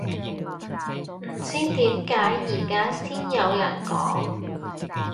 唔知點解而家先有人講